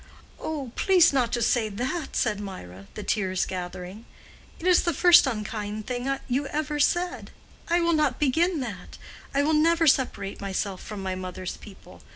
"Oh, please not to say that," said Mirah, the tears gathering. "It is the first unkind thing you ever said. I will not begin that. I will never separate myself from my mother's people.